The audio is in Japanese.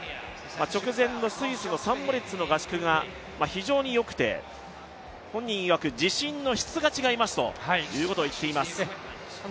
直前のスイスでの合宿が非常によくて、本人曰く質が違いますということを言っています。